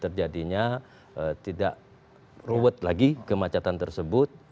terjadinya tidak ruwet lagi kemacetan tersebut